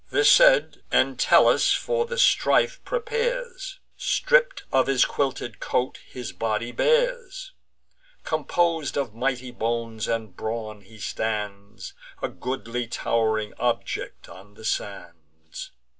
This said, Entellus for the strife prepares; Stripp'd of his quilted coat, his body bares; Compos'd of mighty bones and brawn he stands, A goodly tow'ring object on the sands.